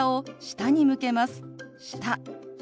「下」。